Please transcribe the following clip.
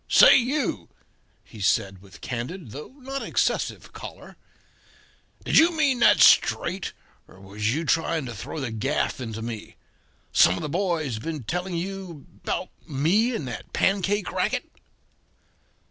"Say, you," he said, with candid, though not excessive, choler, "did you mean that straight, or was you trying to throw the gaff into me? Some of the boys been telling you about me and that pancake racket?"